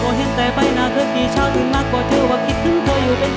ก็เห็นแต่ภายในเธอกี๊เช้าถึงมากกว่าจะว่าคิดถึงเธออยู่เเด็ก